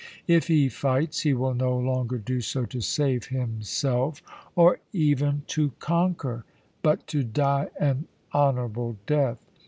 If he fights, he will no longer do so to save himself, or even to conquer, but to die an honourable death.